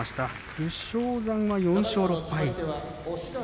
武将山は４勝６敗。